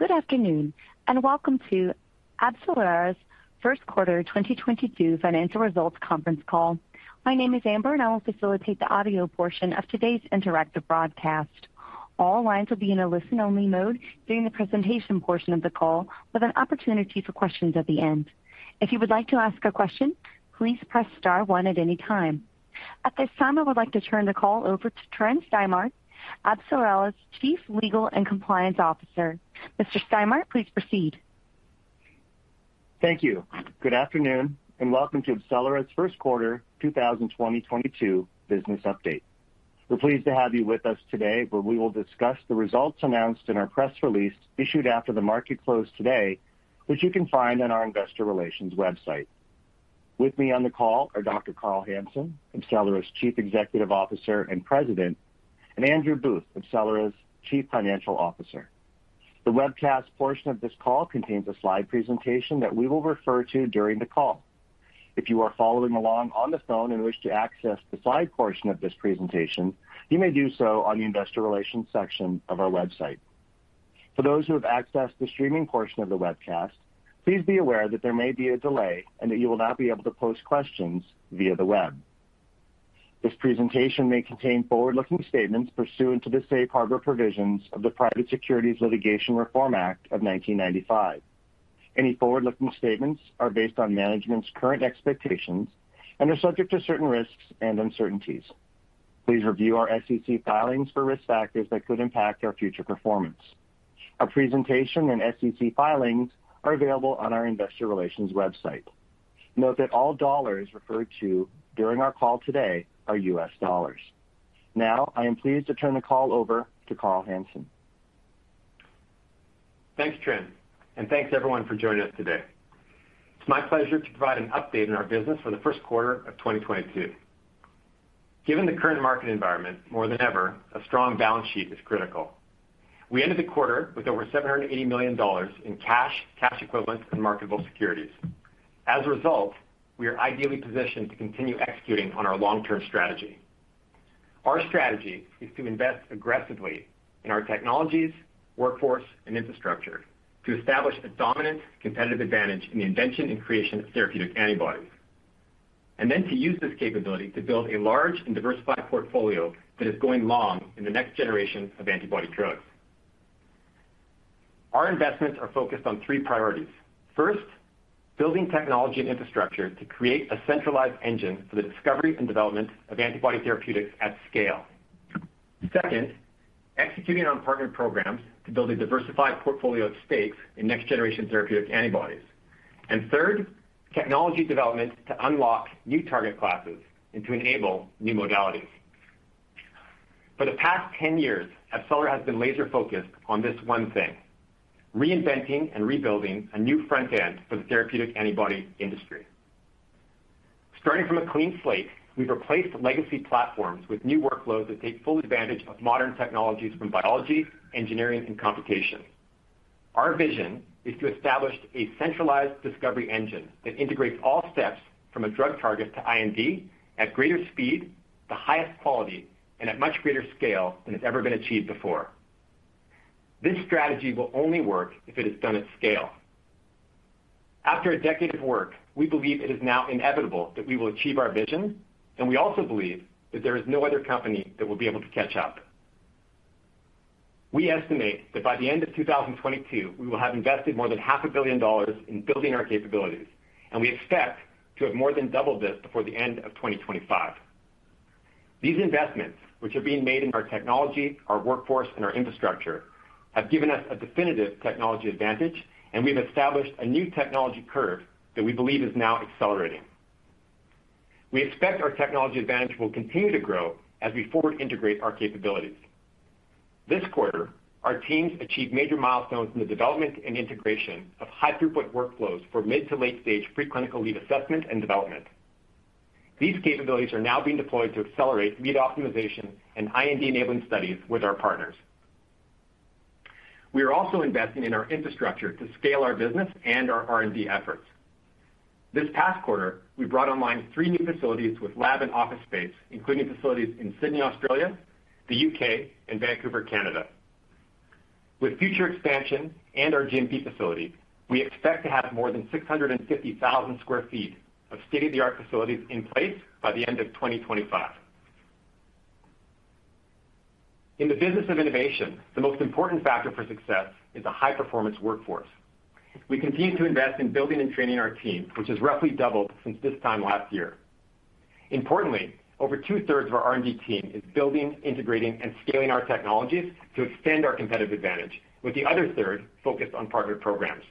Good afternoon, and welcome to AbCellera's first quarter 2022 financial results conference call. My name is Amber, and I will facilitate the audio portion of today's interactive broadcast. All lines will be in a listen-only mode during the presentation portion of the call, with an opportunity for questions at the end. If you would like to ask a question, please press star one at any time. At this time, I would like to turn the call over to Tryn Stimart, AbCellera's Chief Legal and Compliance Officer. Mr. Stimart, please proceed. Thank you. Good afternoon, and welcome to AbCellera's first quarter 2022 business update. We're pleased to have you with us today, where we will discuss the results announced in our press release issued after the market closed today, which you can find on our investor relations website. With me on the call are Dr. Carl Hansen, AbCellera's Chief Executive Officer and President, and Andrew Booth, AbCellera's Chief Financial Officer. The webcast portion of this call contains a slide presentation that we will refer to during the call. If you are following along on the phone and wish to access the slide portion of this presentation, you may do so on the investor relations section of our website. For those who have accessed the streaming portion of the webcast, please be aware that there may be a delay and that you will not be able to pose questions via the web. This presentation may contain forward-looking statements pursuant to the Safe Harbor provisions of the Private Securities Litigation Reform Act of 1995. Any forward-looking statements are based on management's current expectations and are subject to certain risks and uncertainties. Please review our SEC filings for risk factors that could impact our future performance. Our presentation and SEC filings are available on our investor relations website. Note that all dollars referred to during our call today are US dollars. Now, I am pleased to turn the call over to Carl Hansen. Thanks, Tryn, and thanks everyone for joining us today. It's my pleasure to provide an update on our business for the first quarter of 2022. Given the current market environment, more than ever, a strong balance sheet is critical. We ended the quarter with over $780 million in cash equivalents, and marketable securities. As a result, we are ideally positioned to continue executing on our long-term strategy. Our strategy is to invest aggressively in our technologies, workforce, and infrastructure to establish a dominant competitive advantage in the invention and creation of therapeutic antibodies. To use this capability to build a large and diversified portfolio that is going long in the next generation of antibody drugs. Our investments are focused on three priorities. First, building technology and infrastructure to create a centralized engine for the discovery and development of antibody therapeutics at scale. Second, executing on partnered programs to build a diversified portfolio at stake in next-generation therapeutic antibodies. Third, technology development to unlock new target classes and to enable new modalities. For the past 10 years, AbCellera has been laser-focused on this one thing, reinventing and rebuilding a new front end for the therapeutic antibody industry. Starting from a clean slate, we've replaced legacy platforms with new workflows that take full advantage of modern technologies from biology, engineering, and computation. Our vision is to establish a centralized discovery engine that integrates all steps from a drug target to IND at greater speed, the highest quality, and at much greater scale than has ever been achieved before. This strategy will only work if it is done at scale. After a decade of work, we believe it is now inevitable that we will achieve our vision, and we also believe that there is no other company that will be able to catch up. We estimate that by the end of 2022, we will have invested more than $ half a billion in building our capabilities, and we expect to have more than doubled this before the end of 2025. These investments, which are being made in our technology, our workforce, and our infrastructure, have given us a definitive technology advantage, and we've established a new technology curve that we believe is now accelerating. We expect our technology advantage will continue to grow as we forward integrate our capabilities. This quarter, our teams achieved major milestones in the development and integration of high throughput workflows for mid- to late-stage preclinical lead assessment and development. These capabilities are now being deployed to accelerate lead optimization and IND-enabling studies with our partners. We are also investing in our infrastructure to scale our business and our R&D efforts. This past quarter, we brought online three new facilities with lab and office space, including facilities in Sydney, Australia, the U.K., and Vancouver, Canada. With future expansion and our GMP facility, we expect to have more than 650,000 sq ft of state-of-the-art facilities in place by the end of 2025. In the business of innovation, the most important factor for success is a high-performance workforce. We continue to invest in building and training our team, which has roughly doubled since this time last year. Importantly, over two-thirds of our R&D team is building, integrating, and scaling our technologies to extend our competitive advantage, with the other third focused on partnered programs.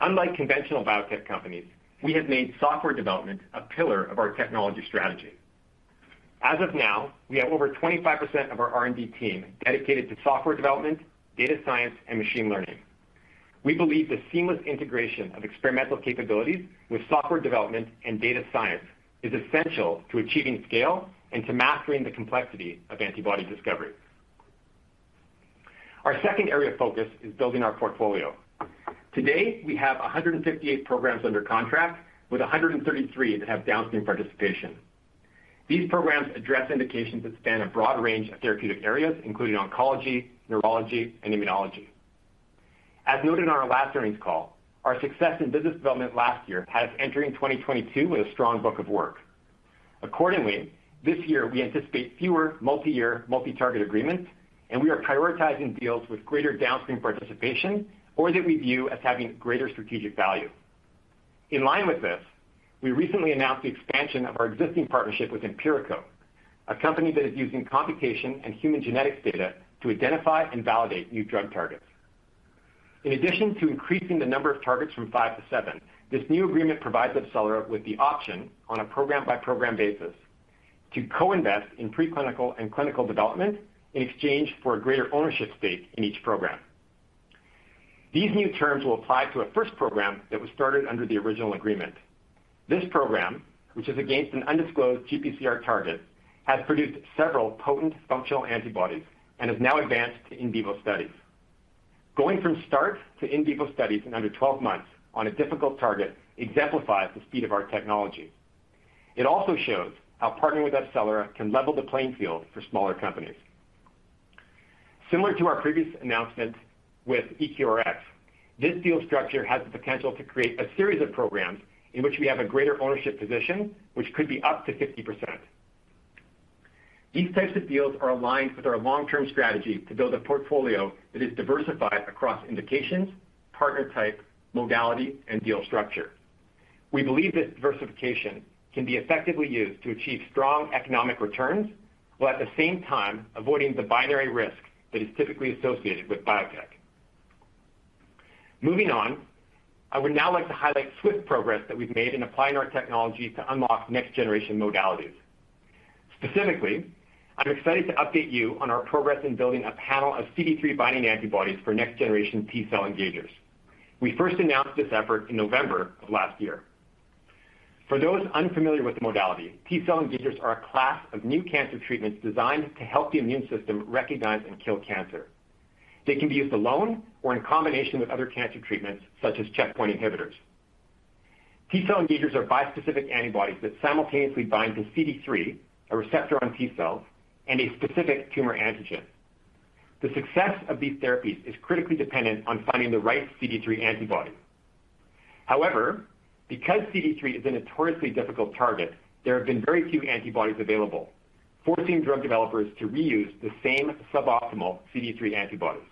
Unlike conventional biotech companies, we have made software development a pillar of our technology strategy. As of now, we have over 25% of our R&D team dedicated to software development, data science, and machine learning. We believe the seamless integration of experimental capabilities with software development and data science is essential to achieving scale and to mastering the complexity of antibody discovery. Our second area of focus is building our portfolio. Today, we have 158 programs under contract, with 133 that have downstream participation. These programs address indications that span a broad range of therapeutic areas, including oncology, neurology, and immunology. As noted on our last earnings call, our success in business development last year has us entering 2022 with a strong book of work. Accordingly, this year we anticipate fewer multi-year, multi-target agreements, and we are prioritizing deals with greater downstream participation or that we view as having greater strategic value. In line with this, we recently announced the expansion of our existing partnership with Empirico, a company that is using computation and human genetics data to identify and validate new drug targets. In addition to increasing the number of targets from 5 to 7, this new agreement provides AbCellera with the option on a program-by-program basis to co-invest in pre-clinical and clinical development in exchange for a greater ownership stake in each program. These new terms will apply to a first program that was started under the original agreement. This program, which is against an undisclosed GPCR target, has produced several potent functional antibodies and has now advanced to in vivo studies. Going from start to in vivo studies in under 12 months on a difficult target exemplifies the speed of our technology. It also shows how partnering with AbCellera can level the playing field for smaller companies. Similar to our previous announcement with EQRx, this deal structure has the potential to create a series of programs in which we have a greater ownership position, which could be up to 50%. These types of deals are aligned with our long-term strategy to build a portfolio that is diversified across indications, partner type, modality, and deal structure. We believe this diversification can be effectively used to achieve strong economic returns while at the same time avoiding the binary risk that is typically associated with biotech. Moving on, I would now like to highlight swift progress that we've made in applying our technology to unlock next-generation modalities. Specifically, I'm excited to update you on our progress in building a panel of CD3 binding antibodies for next-generation T-cell engagers. We first announced this effort in November of last year. For those unfamiliar with the modality, T-cell engagers are a class of new cancer treatments designed to help the immune system recognize and kill cancer. They can be used alone or in combination with other cancer treatments such as checkpoint inhibitors. T-cell engagers are bispecific antibodies that simultaneously bind to CD3, a receptor on T-cells, and a specific tumor antigen. The success of these therapies is critically dependent on finding the right CD3 antibody. However, because CD3 is a notoriously difficult target, there have been very few antibodies available, forcing drug developers to reuse the same suboptimal CD3 antibodies.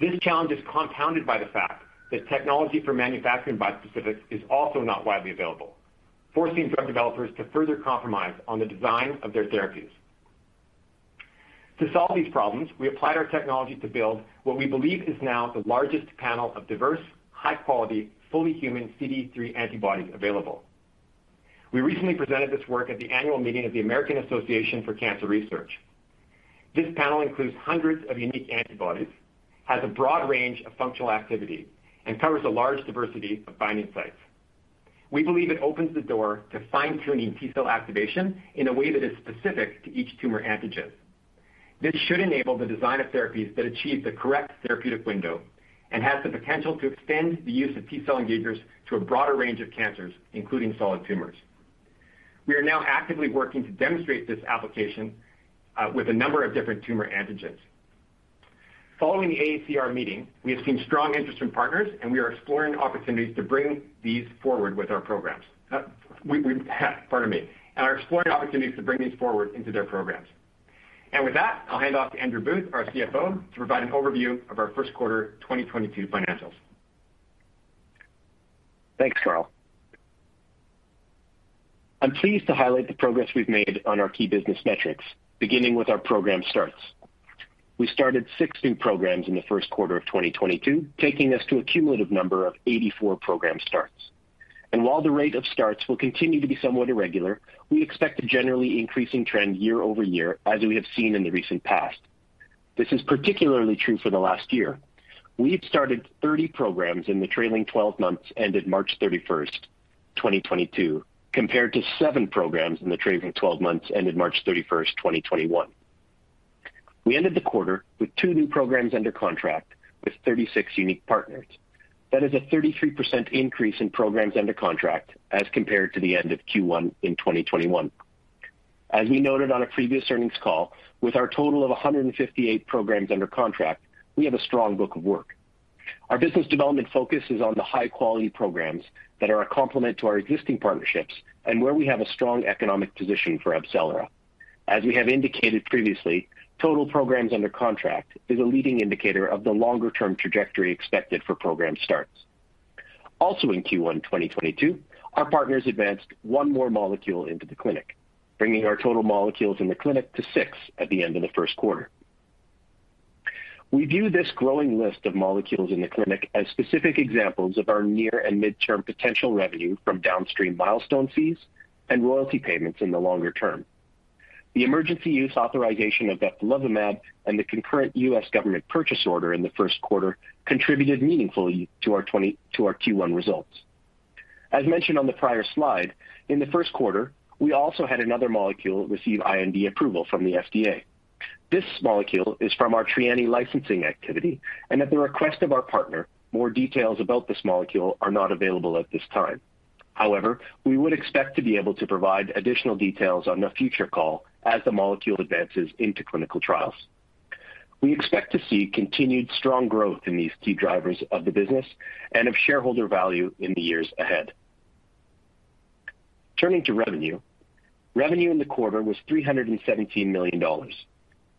This challenge is compounded by the fact that technology for manufacturing bispecifics is also not widely available, forcing drug developers to further compromise on the design of their therapies. To solve these problems, we applied our technology to build what we believe is now the largest panel of diverse, high-quality, fully human CD3 antibodies available. We recently presented this work at the annual meeting of the American Association for Cancer Research. This panel includes hundreds of unique antibodies, has a broad range of functional activity, and covers a large diversity of binding sites. We believe it opens the door to fine-tuning T-cell activation in a way that is specific to each tumor antigen. This should enable the design of therapies that achieve the correct therapeutic window and has the potential to extend the use of T-cell engagers to a broader range of cancers, including solid tumors. We are now actively working to demonstrate this application with a number of different tumor antigens. Following the AACR meeting, we have seen strong interest from partners, and we are exploring opportunities to bring these forward into their programs. With that, I'll hand off to Andrew Booth, our CFO, to provide an overview of our first quarter 2022 financials. Thanks, Carl. I'm pleased to highlight the progress we've made on our key business metrics, beginning with our program starts. We started 6 new programs in the first quarter of 2022, taking us to a cumulative number of 84 program starts. While the rate of starts will continue to be somewhat irregular, we expect a generally increasing trend year over year as we have seen in the recent past. This is particularly true for the last year. We've started 30 programs in the trailing twelve months ended March 31, 2022, compared to 7 programs in the trailing twelve months ended March 31, 2021. We ended the quarter with 2 new programs under contract with 36 unique partners. That is a 33% increase in programs under contract as compared to the end of Q1 in 2021. As we noted on a previous earnings call, with our total of 158 programs under contract, we have a strong book of work. Our business development focus is on the high-quality programs that are a complement to our existing partnerships and where we have a strong economic position for AbCellera. As we have indicated previously, total programs under contract is a leading indicator of the longer-term trajectory expected for program starts. Also in Q1 2022, our partners advanced one more molecule into the clinic, bringing our total molecules in the clinic to six at the end of the first quarter. We view this growing list of molecules in the clinic as specific examples of our near and mid-term potential revenue from downstream milestone fees and royalty payments in the longer term. The emergency use authorization of Bebtelovimab and the concurrent U.S. government purchase order in the first quarter contributed meaningfully to our Q1 results. As mentioned on the prior slide, in the first quarter, we also had another molecule receive IND approval from the FDA. This molecule is from our Trianni licensing activity and at the request of our partner, more details about this molecule are not available at this time. However, we would expect to be able to provide additional details on a future call as the molecule advances into clinical trials. We expect to see continued strong growth in these key drivers of the business and of shareholder value in the years ahead. Turning to revenue. Revenue in the quarter was $317 million.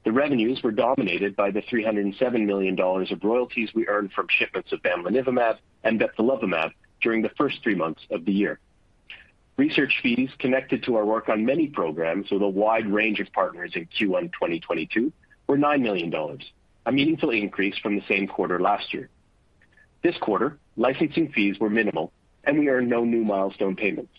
The revenues were dominated by $307 million of royalties we earned from shipments of Bamlanivimab and Bebtelovimab during the first three months of the year. Research fees connected to our work on many programs with a wide range of partners in Q1 2022 were $9 million, a meaningful increase from the same quarter last year. This quarter, licensing fees were minimal and we earned no new milestone payments.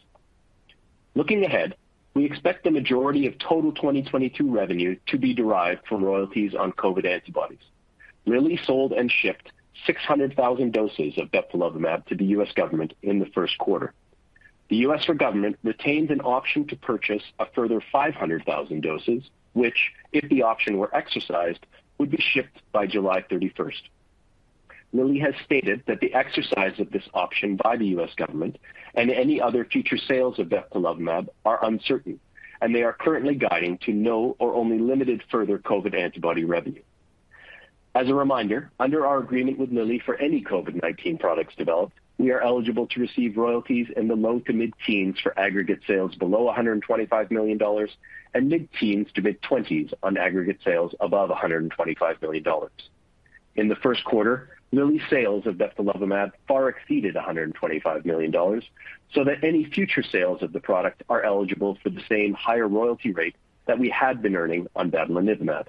Looking ahead, we expect the majority of total 2022 revenue to be derived from royalties on COVID antibodies. Lilly sold and shipped 600,000 doses of Bebtelovimab to the U.S. government in the first quarter. The U.S. government retains an option to purchase a further 500,000 doses, which, if the option were exercised, would be shipped by July thirty-first. Lilly has stated that the exercise of this option by the U.S. government and any other future sales of Bebtelovimab are uncertain, and they are currently guiding to no or only limited further COVID antibody revenue. As a reminder, under our agreement with Lilly for any COVID-19 products developed, we are eligible to receive royalties in the low to mid-teens for aggregate sales below $125 million and mid-teens to mid-twenties on aggregate sales above $125 million. In the first quarter, Lilly's sales of Bebtelovimab far exceeded $125 million, so that any future sales of the product are eligible for the same higher royalty rate that we had been earning on Bamlanivimab.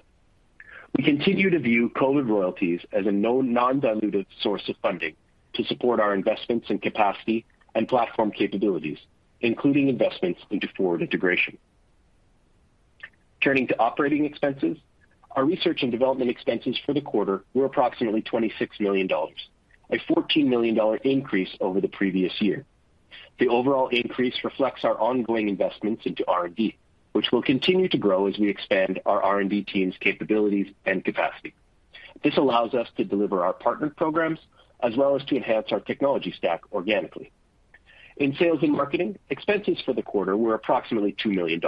We continue to view COVID royalties as a known non-dilutive source of funding to support our investments in capacity and platform capabilities, including investments into forward integration. Turning to operating expenses. Our research and development expenses for the quarter were approximately $26 million, a $14 million increase over the previous year. The overall increase reflects our ongoing investments into R&D, which will continue to grow as we expand our R&D team's capabilities and capacity. This allows us to deliver our partner programs as well as to enhance our technology stack organically. In sales and marketing, expenses for the quarter were approximately $2 million.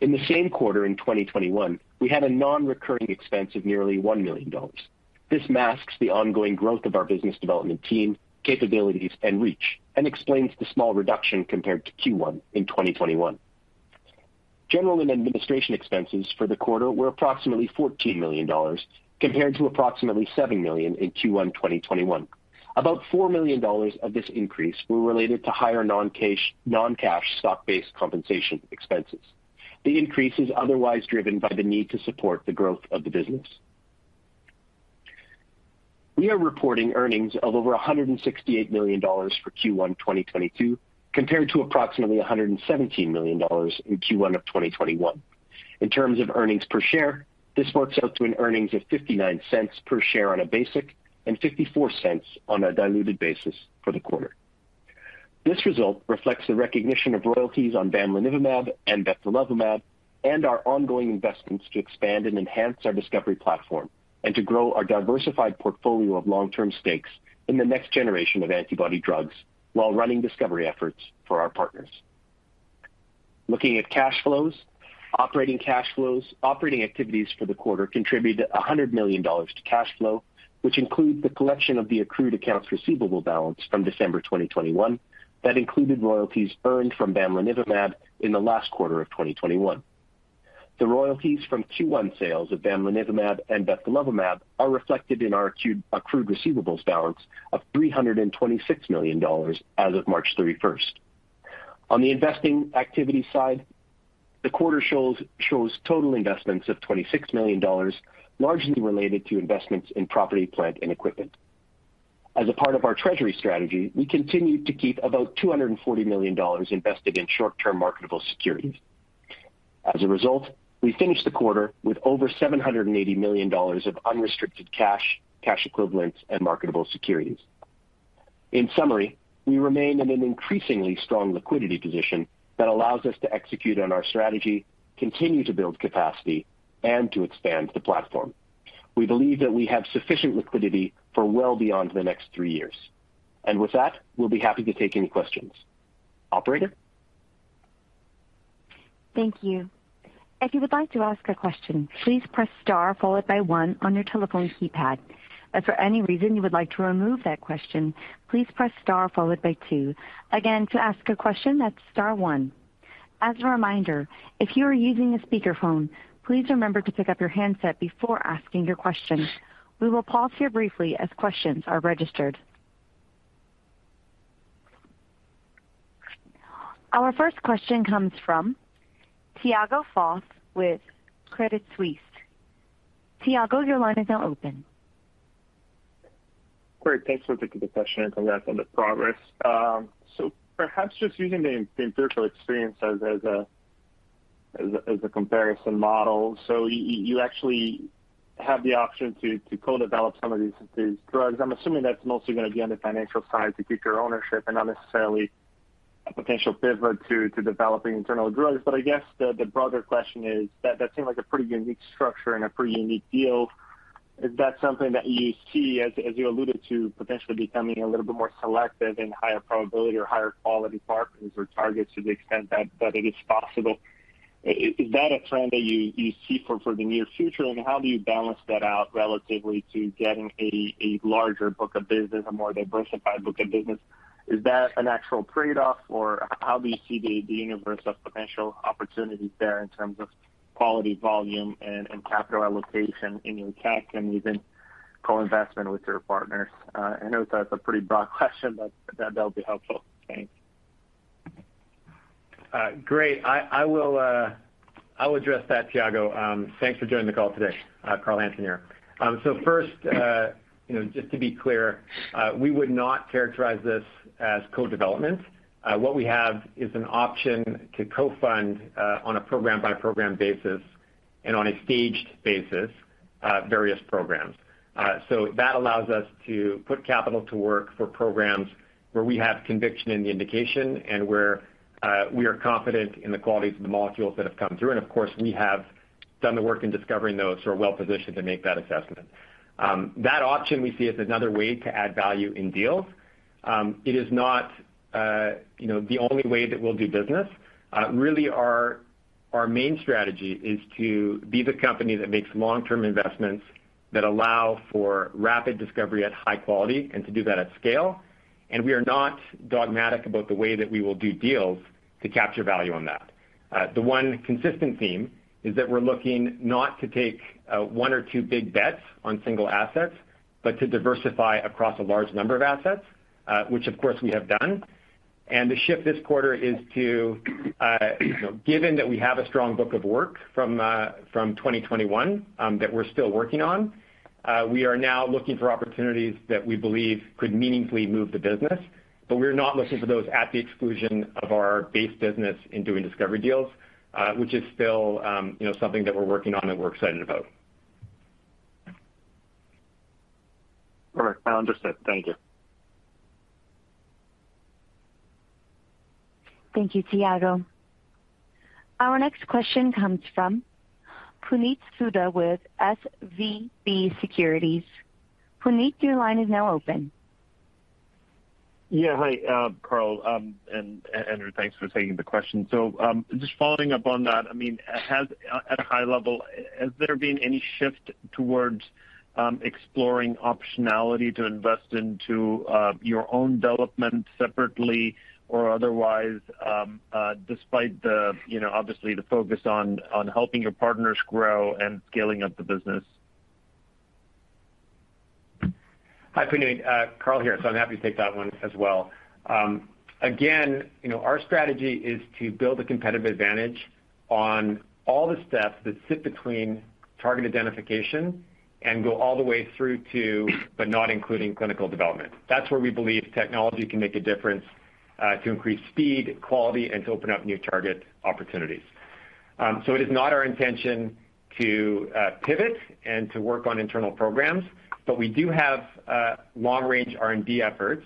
In the same quarter in 2021, we had a non-recurring expense of nearly $1 million. This masks the ongoing growth of our business development team capabilities and reach, and explains the small reduction compared to Q1 in 2021. General and administration expenses for the quarter were approximately $14 million compared to approximately $7 million in Q1 2021. About $4 million of this increase were related to higher non-cash stock-based compensation expenses. The increase is otherwise driven by the need to support the growth of the business. We are reporting earnings of over $168 million for Q1 2022, compared to approximately $117 million in Q1 of 2021. In terms of earnings per share, this works out to an earnings of $0.59 per share on a basic and $0.54 on a diluted basis for the quarter. This result reflects the recognition of royalties on Bamlanivimab and Bebtelovimab, and our ongoing investments to expand and enhance our discovery platform and to grow our diversified portfolio of long-term stakes in the next generation of antibody drugs while running discovery efforts for our partners. Looking at cash flows. Operating cash flows. Operating activities for the quarter contributed $100 million to cash flow, which include the collection of the accrued accounts receivable balance from December 2021 that included royalties earned from Bamlanivimab in the last quarter of 2021. The royalties from Q1 sales of Bamlanivimab and Bebtelovimab are reflected in our accrued receivables balance of $326 million as of March 31. On the investing activity side, the quarter shows total investments of $26 million, largely related to investments in property, plant, and equipment. As a part of our treasury strategy, we continue to keep about $240 million invested in short-term marketable securities. As a result, we finished the quarter with over $780 million of unrestricted cash equivalents and marketable securities. In summary, we remain in an increasingly strong liquidity position that allows us to execute on our strategy, continue to build capacity, and to expand the platform. We believe that we have sufficient liquidity for well beyond the next three years. With that, we'll be happy to take any questions. Operator? Thank you. If you would like to ask a question, please press Star followed by 1 on your telephone keypad. If for any reason you would like to remove that question, please press Star followed by 2. Again to ask a question, that's Star 1. As a reminder, if you are using a speakerphone, please remember to pick up your handset before asking your question. We will pause here briefly as questions are registered. Our first question comes from Tiago Fauth with Credit Suisse. Tiago, your line is now open. Great. Thanks for taking the question and congrats on the progress. Perhaps just using the Empirico experience as a comparison model. You actually have the option to co-develop some of these drugs. I'm assuming that's mostly gonna be on the financial side to keep your ownership and not necessarily A potential pivot to developing internal drugs. I guess the broader question is that seemed like a pretty unique structure and a pretty unique deal. Is that something that you see as you alluded to potentially becoming a little bit more selective in higher probability or higher quality partners or targets to the extent that it is possible. Is that a trend that you see for the near future? And how do you balance that out relatively to getting a larger book of business, a more diversified book of business? Is that an actual trade-off or how do you see the universe of potential opportunities there in terms of quality, volume, and capital allocation in your tech and even co-investment with your partners? I know that's a pretty broad question, but that'll be helpful. Thanks. Great. I will address that, Tiago. Thanks for joining the call today. Carl Hansen here. First, you know, just to be clear, we would not characterize this as co-development. What we have is an option to co-fund on a program-by-program basis and on a staged basis various programs. That allows us to put capital to work for programs where we have conviction in the indication and where we are confident in the qualities of the molecules that have come through. Of course, we have done the work in discovering those, so we're well-positioned to make that assessment. That option we see as another way to add value in deals. It is not, you know, the only way that we'll do business. Really, our main strategy is to be the company that makes long-term investments that allow for rapid discovery at high quality and to do that at scale. We are not dogmatic about the way that we will do deals to capture value on that. The one consistent theme is that we're looking not to take one or two big bets on single assets, but to diversify across a large number of assets, which of course we have done. The shift this quarter is to, given that we have a strong book of work from 2021, that we're still working on, we are now looking for opportunities that we believe could meaningfully move the business, but we're not looking for those at the exclusion of our base business in doing discovery deals, which is still, you know, something that we're working on and we're excited about. All right, I understand. Thank you. Thank you, Tiago. Our next question comes from Puneet Souda with SVB Securities. Puneet, your line is now open. Yeah. Hi, Carl, and Andrew, thanks for taking the question. Just following up on that, I mean, has at a high level there been any shift towards exploring optionality to invest into your own development separately or otherwise, despite the, you know, obviously the focus on helping your partners grow and scaling up the business? Hi, Puneet. Carl here, so I'm happy to take that one as well. Again, you know, our strategy is to build a competitive advantage on all the steps that sit between target identification and go all the way through to, but not including clinical development. That's where we believe technology can make a difference, to increase speed, quality, and to open up new target opportunities. It is not our intention to, pivot and to work on internal programs, but we do have, long-range R&D efforts,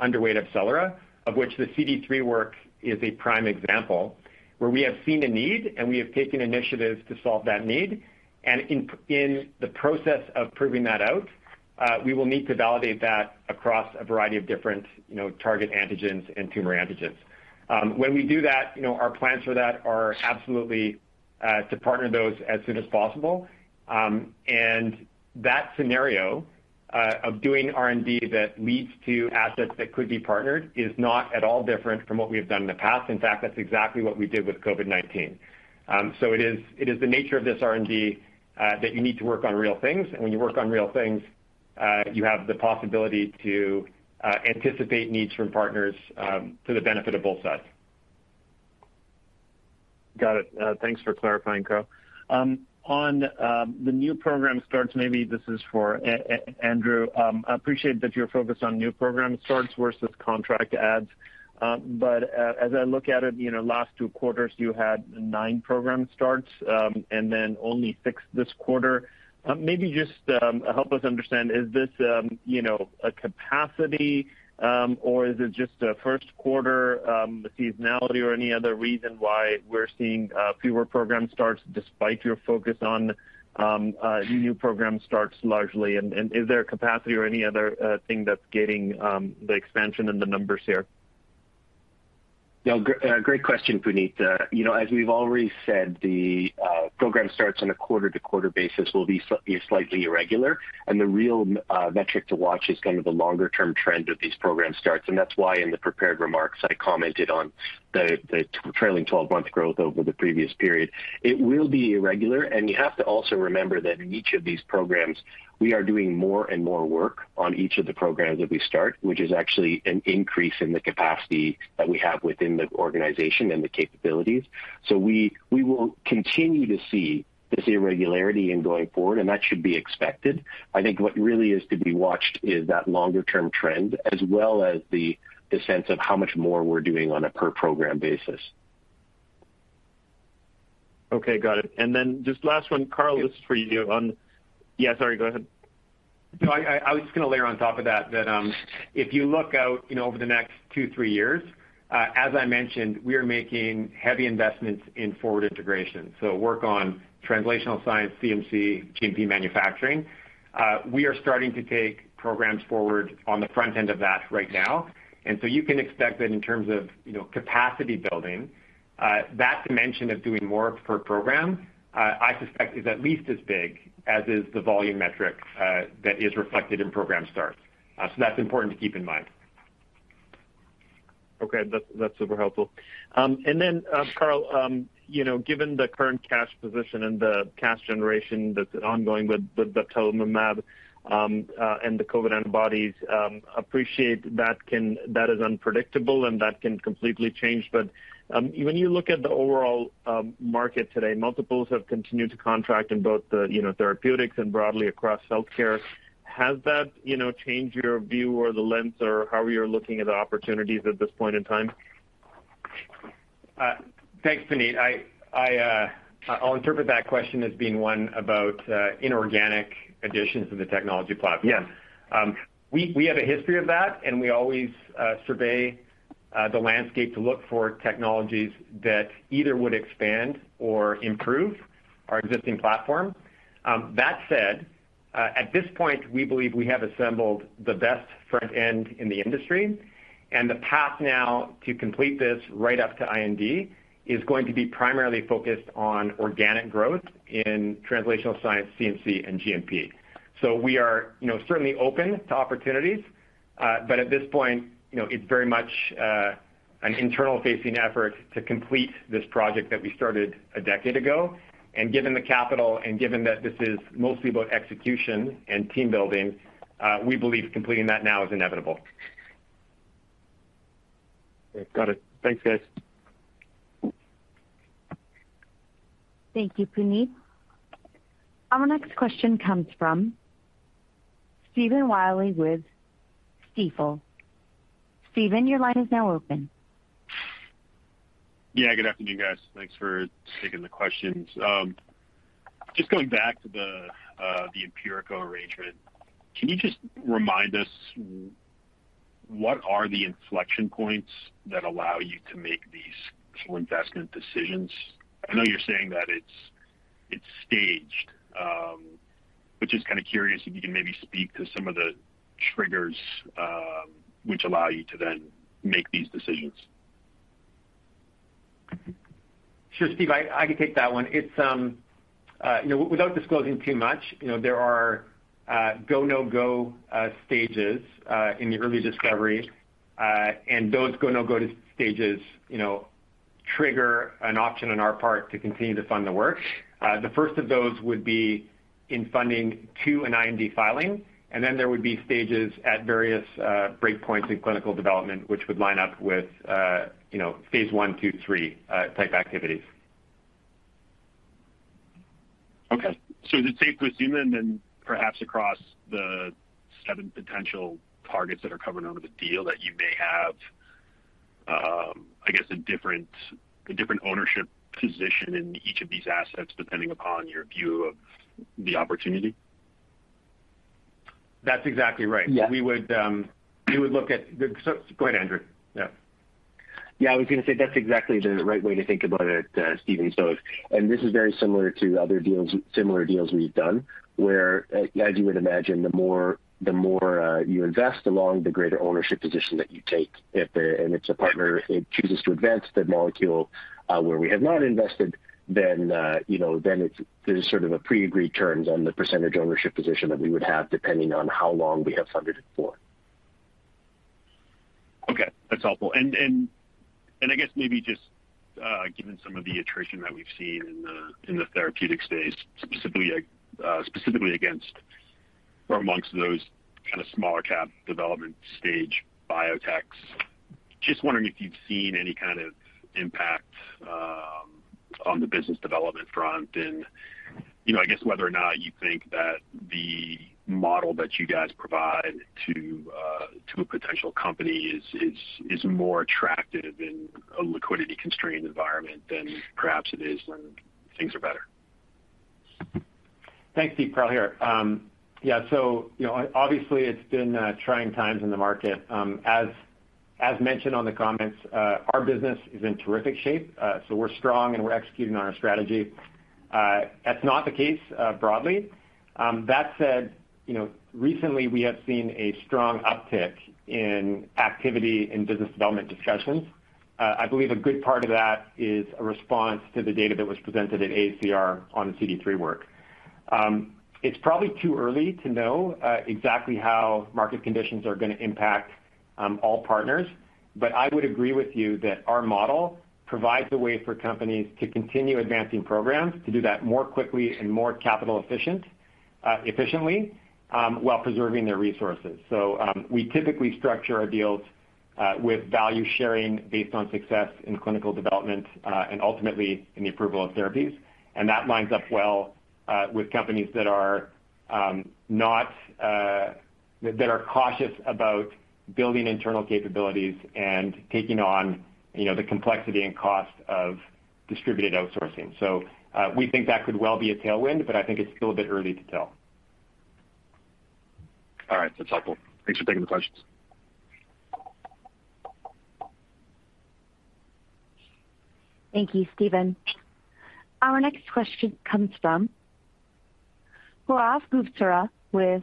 underway at AbCellera, of which the CD3 work is a prime example, where we have seen a need and we have taken initiatives to solve that need. In the process of proving that out, we will need to validate that across a variety of different, you know, target antigens and tumor antigens. When we do that, you know, our plans for that are absolutely to partner those as soon as possible. That scenario of doing R&D that leads to assets that could be partnered is not at all different from what we have done in the past. In fact, that's exactly what we did with COVID-19. It is the nature of this R&D that you need to work on real things. When you work on real things, you have the possibility to anticipate needs from partners to the benefit of both sides. Got it. Thanks for clarifying, Carl. On the new program starts, maybe this is for Andrew. I appreciate that you're focused on new program starts versus contract adds. As I look at it, you know, last two quarters, you had 9 program starts, and then only 6 this quarter. Maybe just help us understand, is this you know, a capacity or is it just a first quarter seasonality or any other reason why we're seeing fewer program starts despite your focus on new program starts largely? Is there capacity or any other thing that's gating the expansion in the numbers here? Yeah. Great question, Puneet. You know, as we've already said, the program starts on a quarter-to-quarter basis will be slightly irregular, and the real metric to watch is kind of the longer-term trend of these program starts. That's why in the prepared remarks, I commented on the trailing twelve-month growth over the previous period. It will be irregular, and you have to also remember that in each of these programs, we are doing more and more work on each of the programs that we start, which is actually an increase in the capacity that we have within the organization and the capabilities. We will continue to see this irregularity going forward, and that should be expected. I think what really is to be watched is that longer term trend, as well as the sense of how much more we're doing on a per program basis. Okay, got it. Just last one, Carl, this is for you. Yeah, sorry, go ahead. No, I was just gonna layer on top of that, if you look out, you know, over the next 2-3 years, as I mentioned, we are making heavy investments in forward integration. Work on translational science, CMC, GMP manufacturing. We are starting to take programs forward on the front end of that right now. You can expect that in terms of, you know, capacity building, that dimension of doing more per program, I suspect is at least as big as is the volume metric that is reflected in program starts. That's important to keep in mind. Okay. That's super helpful. Carl, you know, given the current cash position and the cash generation that's ongoing with the bebtelovimab and the COVID antibodies, appreciate that that is unpredictable and that can completely change. When you look at the overall market today, multiples have continued to contract in both the therapeutics and broadly across healthcare. Has that changed your view or the lens or how you're looking at the opportunities at this point in time? Thanks, Puneet. I'll interpret that question as being one about inorganic additions to the technology platform. Yes. We have a history of that, and we always survey the landscape to look for technologies that either would expand or improve our existing platform. That said, at this point, we believe we have assembled the best front end in the industry, and the path now to complete this right up to IND is going to be primarily focused on organic growth in translational science, CMC, and GMP. We are, you know, certainly open to opportunities. At this point, you know, it's very much an internal-facing effort to complete this project that we started a decade ago. Given the capital and given that this is mostly about execution and team building, we believe completing that now is inevitable. Okay. Got it. Thanks, guys. Thank you, Puneet. Our next question comes from Stephen Willey with Stifel. Stephen, your line is now open. Yeah, good afternoon, guys. Thanks for taking the questions. Just going back to the Empirico arrangement, can you just remind us what are the inflection points that allow you to make these full investment decisions? I know you're saying that it's staged, but just kinda curious if you can maybe speak to some of the triggers, which allow you to then make these decisions. Sure, Steve. I can take that one. It's you know, without disclosing too much, you know, there are go/no-go stages in the early discovery. Those go/no-go stages you know, trigger an option on our part to continue to fund the work. The first of those would be in funding to an IND filing, and then there would be stages at various breakpoints in clinical development, which would line up with you know, phase 1, 2, 3 type activities. Okay. Is it safe to assume then, perhaps across the seven potential targets that are covered under the deal that you may have, I guess a different ownership position in each of these assets depending upon your view of the opportunity? That's exactly right. Yeah. Go ahead, Andrew. Yeah. Yeah, I was gonna say that's exactly the right way to think about it, Stephen. This is very similar to other similar deals we've done, where, as you would imagine, the more you invest, the greater ownership position that you take. If it's a partner, it chooses to advance the molecule, where we have not invested, then, you know, there's sort of pre-agreed terms on the percentage ownership position that we would have depending on how long we have funded it for. Okay. That's helpful. I guess maybe just given some of the attrition that we've seen in the therapeutic space, specifically against or amongst those kinda smaller cap development stage biotechs, just wondering if you've seen any kind of impact on the business development front and, you know, I guess whether or not you think that the model that you guys provide to a potential company is more attractive in a liquidity-constrained environment than perhaps it is when things are better. Thanks, Steve. Carl here. Yeah, so you know, obviously it's been trying times in the market. As mentioned in the comments, our business is in terrific shape, so we're strong and we're executing on our strategy. That's not the case broadly. That said, you know, recently we have seen a strong uptick in activity in business development discussions. I believe a good part of that is a response to the data that was presented at AACR on the CD3 work. It's probably too early to know exactly how market conditions are gonna impact all partners, but I would agree with you that our model provides a way for companies to continue advancing programs to do that more quickly and more capital-efficiently while preserving their resources. We typically structure our deals with value sharing based on success in clinical development and ultimately in the approval of therapies. That lines up well with companies that are not That are cautious about building internal capabilities and taking on, you know, the complexity and cost of distributed outsourcing. We think that could well be a tailwind, but I think it's still a bit early to tell. All right. That's helpful. Thanks for taking the questions. Thank you, Stephen. Our next question comes from Gaurav Gupta with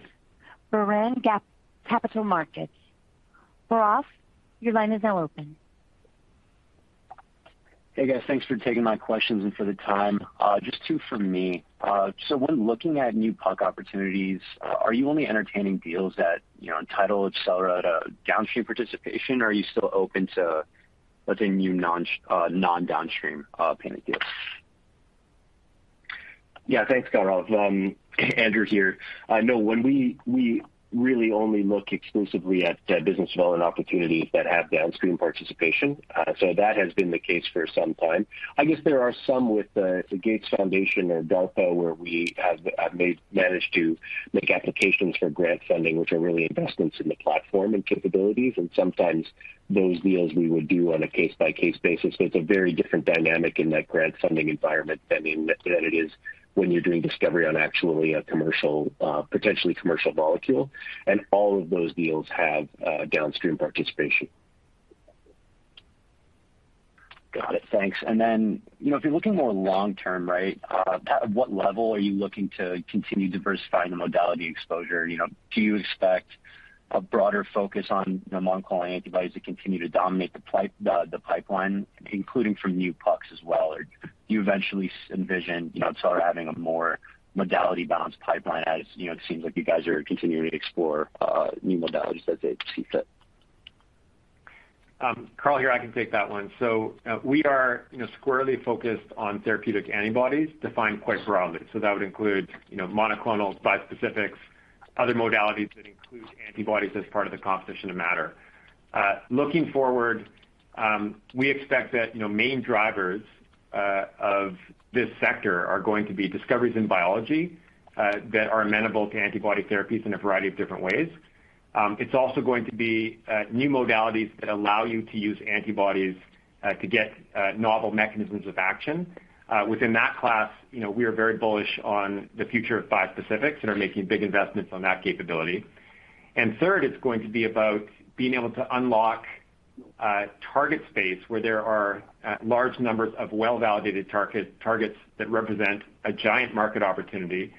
Ascendant BioCapital. Gaurav, your line is now open. Hey, guys. Thanks for taking my questions and for the time. Just two from me. When looking at new POC opportunities, are you only entertaining deals that, you know, entitle AbCellera downstream participation or are you still open to, let's say, new non-downstream payment deals? Yeah. Thanks, Gaurav. Andrew here. No, when we really only look exclusively at business development opportunities that have downstream participation. That has been the case for some time. I guess there are some with the Gates Foundation or DELTA where we have managed to make applications for grant funding, which are really investments in the platform and capabilities. Sometimes those deals we would do on a case-by-case basis. It's a very different dynamic in that grant funding environment than it is when you're doing discovery on actually a commercial, potentially commercial molecule. All of those deals have downstream participation. Got it. Thanks. Then, you know, if you're looking more long term, right, what level are you looking to continue diversifying the modality exposure? You know, do you expect a broader focus on monoclonal antibodies to continue to dominate the pipeline, including from new partners as well? Or do you eventually envision, you know, AbCellera having a more modality balanced pipeline as, you know, it seems like you guys are continuing to explore new modalities as they see fit. Carl here, I can take that one. We are, you know, squarely focused on therapeutic antibodies defined quite broadly. That would include, you know, monoclonal, bispecifics, other modalities that include antibodies as part of the composition of matter. Looking forward, we expect that, you know, main drivers of this sector are going to be discoveries in biology that are amenable to antibody therapies in a variety of different ways. It's also going to be new modalities that allow you to use antibodies to get novel mechanisms of action. Within that class, you know, we are very bullish on the future of bispecifics and are making big investments on that capability. Third, it's going to be about being able to unlock target space where there are large numbers of well-validated targets that represent a giant market opportunity,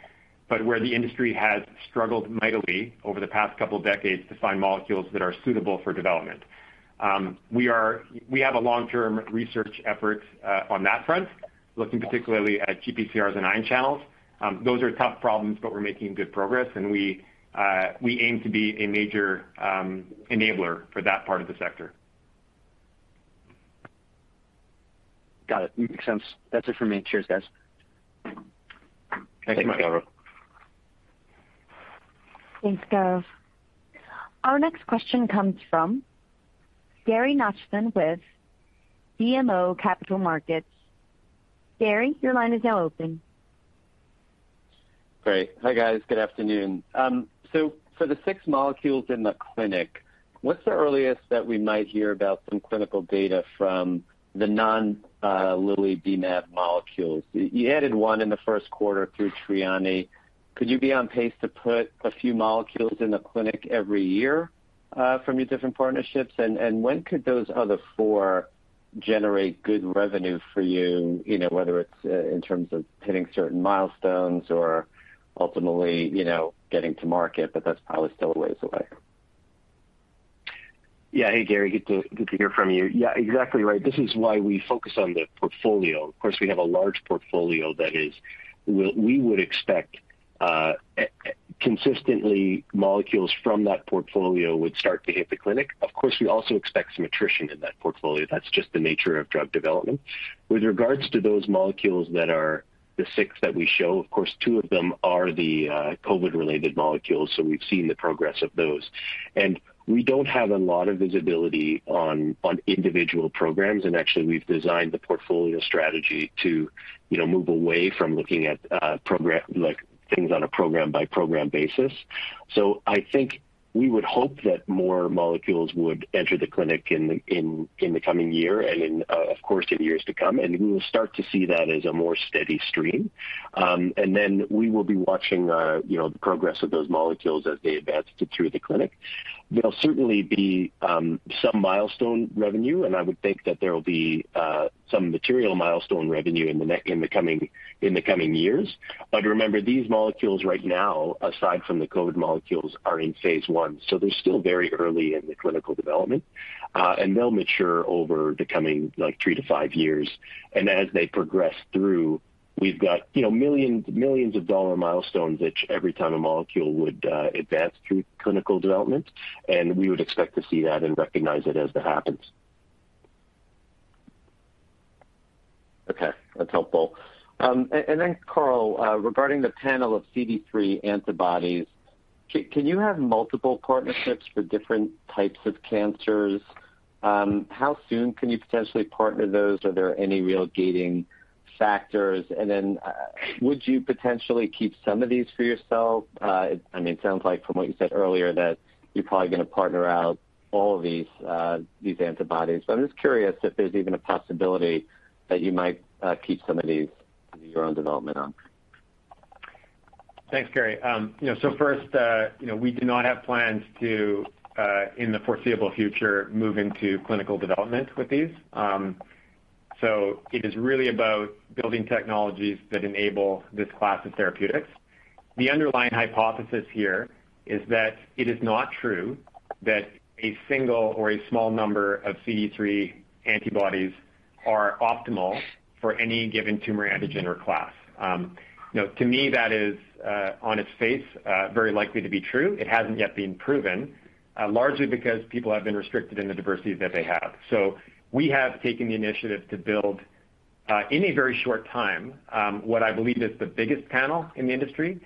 but where the industry has struggled mightily over the past couple of decades to find molecules that are suitable for development. We have a long-term research effort on that front, looking particularly at GPCRs and ion channels. Those are tough problems, but we're making good progress, and we aim to be a major enabler for that part of the sector. Got it. Makes sense. That's it for me. Cheers, guys. Thanks. Thanks, Gaurav. Our next question comes from Gary Nachman with BMO Capital Markets. Gary, your line is now open. Great. Hi, guys. Good afternoon. For the six molecules in the clinic, what's the earliest that we might hear about some clinical data from the non-Lilly bNAb molecules? You added one in the first quarter through Trianni. Could you be on pace to put a few molecules in the clinic every year from your different partnerships? When could those other four generate good revenue for you? You know, whether it's in terms of hitting certain milestones or ultimately, you know, getting to market, but that's probably still a ways away. Yeah. Hey, Gary. Good to hear from you. Yeah, exactly right. This is why we focus on the portfolio. Of course, we have a large portfolio that we would expect consistently molecules from that portfolio would start to hit the clinic. Of course, we also expect some attrition in that portfolio. That's just the nature of drug development. With regards to those molecules that are the six that we show, of course, two of them are the COVID-related molecules, so we've seen the progress of those. We don't have a lot of visibility on individual programs. Actually, we've designed the portfolio strategy to, you know, move away from looking at program-like things on a program-by-program basis. I think we would hope that more molecules would enter the clinic in the coming year and in, of course, in years to come. We will start to see that as a more steady stream. We will be watching, you know, the progress of those molecules as they advance through the clinic. There'll certainly be some milestone revenue, and I would think that there will be some material milestone revenue in the coming years. Remember, these molecules right now, aside from the COVID molecules, are in phase 1. They're still very early in the clinical development, and they'll mature over the coming, like, 3-5 years. As they progress through, we've got, you know, millions of dollars milestones each every time a molecule would advance through clinical development. We would expect to see that and recognize it as it happens. Okay, that's helpful. Carl, regarding the panel of CD3 antibodies, can you have multiple partnerships for different types of cancers? How soon can you potentially partner those? Are there any real gating factors? Would you potentially keep some of these for yourself? I mean, it sounds like from what you said earlier that you're probably gonna partner out all of these antibodies, but I'm just curious if there's even a possibility that you might keep some of these in your own development arm. Thanks, Gary. You know, first, you know, we do not have plans to, in the foreseeable future, move into clinical development with these. It is really about building technologies that enable this class of therapeutics. The underlying hypothesis here is that it is not true that a single or a small number of CD3 antibodies are optimal for any given tumor antigen or class. You know, to me, that is, on its face, very likely to be true. It hasn't yet been proven, largely because people have been restricted in the diversity that they have. We have taken the initiative to build, in a very short time, what I believe is the biggest panel in the industry.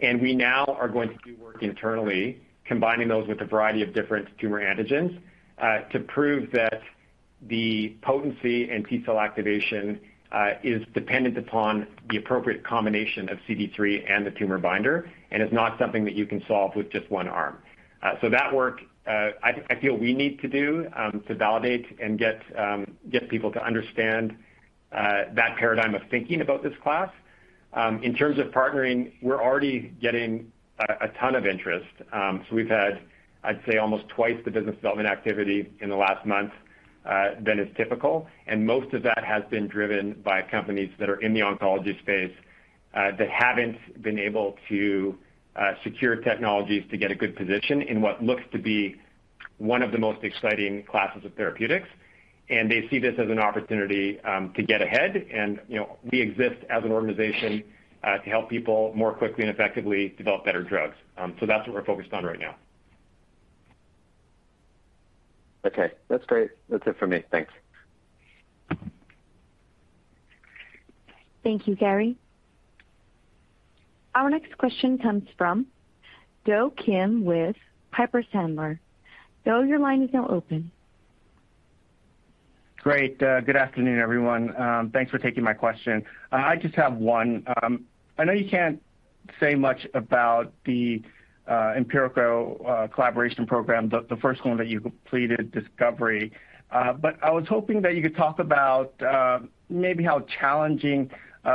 We now are going to do work internally, combining those with a variety of different tumor antigens, to prove that the potency and T-cell activation is dependent upon the appropriate combination of CD3 and the tumor binder, and is not something that you can solve with just one arm. That work, I feel we need to do, to validate and get people to understand that paradigm of thinking about this class. In terms of partnering, we're already getting a ton of interest. We've had, I'd say, almost twice the business development activity in the last month than is typical, and most of that has been driven by companies that are in the oncology space that haven't been able to secure technologies to get a good position in what looks to be one of the most exciting classes of therapeutics. They see this as an opportunity to get ahead. You know, we exist as an organization to help people more quickly and effectively develop better drugs. That's what we're focused on right now. Okay. That's great. That's it for me. Thanks. Thank you, Gary. Our next question comes from Do Kim with Piper Sandler. Do, your line is now open. Great. Good afternoon, everyone. Thanks for taking my question. I just have one. I know you can't say much about the Empirico collaboration program, the first one that you completed discovery. I was hoping that you could talk about maybe how challenging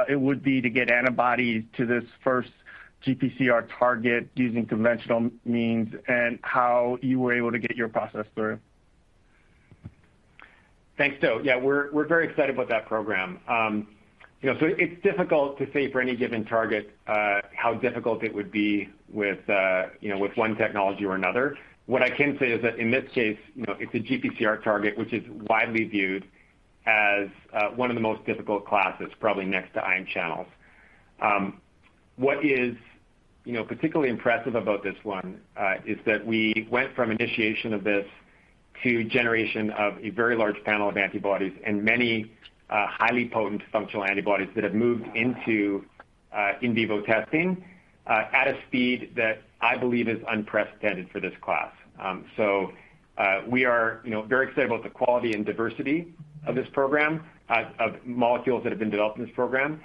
it would be to get antibodies to this first GPCR target using conventional means, and how you were able to get your process through. Thanks, Do. Yeah, we're very excited about that program. You know, it's difficult to say for any given target how difficult it would be with you know, with one technology or another. What I can say is that in this case, you know, it's a GPCR target, which is widely viewed as one of the most difficult classes, probably next to ion channels. What is you know, particularly impressive about this one is that we went from initiation of this to generation of a very large panel of antibodies and many highly potent functional antibodies that have moved into in vivo testing at a speed that I believe is unprecedented for this class. We are, you know, very excited about the quality and diversity of this program, of molecules that have been developed in this program,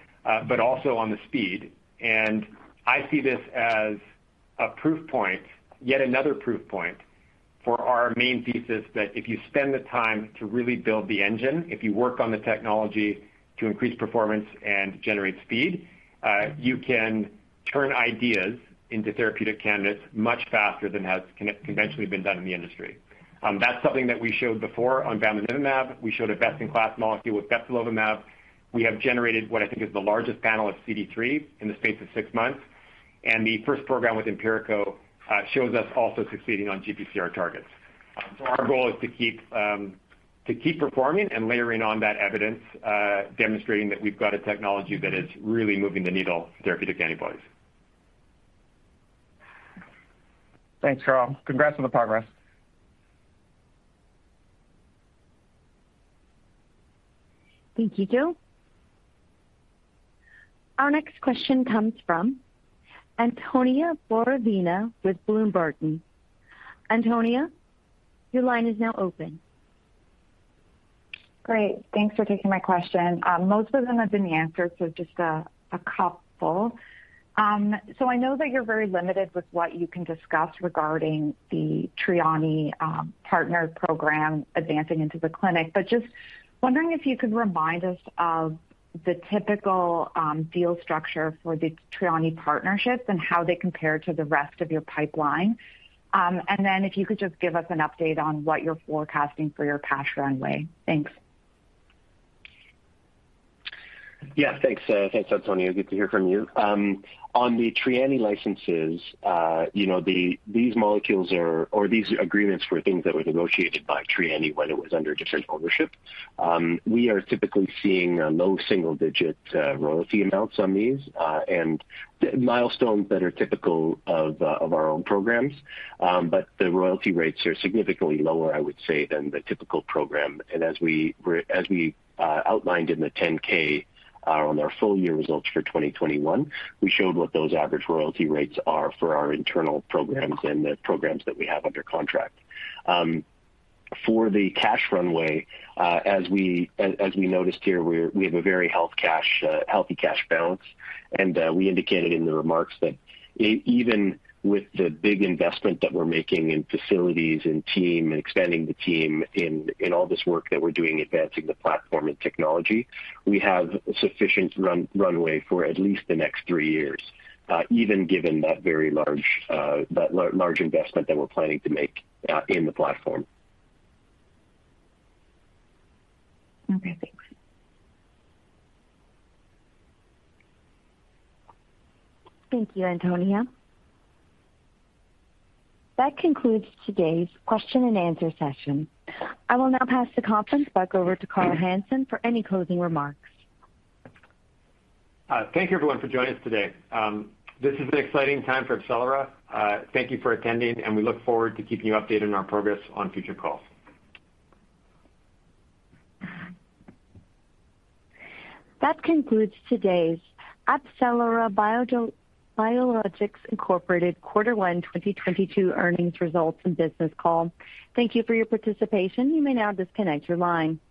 but also on the speed. I see this as a proof point, yet another proof point for our main thesis that if you spend the time to really build the engine, if you work on the technology to increase performance and generate speed, you can turn ideas into therapeutic candidates much faster than has conventionally been done in the industry. That's something that we showed before on Bamlanivimab. We showed a best-in-class molecule with Bebtelovimab. We have generated what I think is the largest panel of CD3 in the space of six months, and the first program with Empirico shows us also succeeding on GPCR targets. Our goal is to keep performing and layering on that evidence, demonstrating that we've got a technology that is really moving the needle for therapeutic antibodies. Thanks, Carl. Congrats on the progress. Thank you, Do. Our next question comes from Antonia Borovina with Bloom Burton. Antonia, your line is now open. Great. Thanks for taking my question. Most of them have been answered, so just a couple. I know that you're very limited with what you can discuss regarding the Trianni partner program advancing into the clinic. Just wondering if you could remind us of the typical deal structure for the Trianni partnerships and how they compare to the rest of your pipeline. If you could just give us an update on what you're forecasting for your cash runway. Thanks. Yeah, thanks. Thanks, Antonia. Good to hear from you. On the Trianni licenses, you know, these agreements were things that were negotiated by Trianni when it was under different ownership. We are typically seeing low single-digit royalty amounts on these, and milestones that are typical of our own programs. But the royalty rates are significantly lower, I would say, than the typical program. As we outlined in the 10-K on our full year results for 2021, we showed what those average royalty rates are for our internal programs and the programs that we have under contract. For the cash runway, as we noticed here, we have a very healthy cash balance. We indicated in the remarks that even with the big investment that we're making in facilities and team and expanding the team in all this work that we're doing advancing the platform and technology, we have sufficient runway for at least the next three years, even given that very large investment that we're planning to make in the platform. Okay, thanks. Thank you, Antonia. That concludes today's question and answer session. I will now pass the conference back over to Carl Hansen for any closing remarks. Thank you everyone for joining us today. This is an exciting time for AbCellera. Thank you for attending, and we look forward to keeping you updated on our progress on future calls. That concludes today's AbCellera Biologics Incorporated quarter one 2022 earnings results and business call. Thank you for your participation. You may now disconnect your line.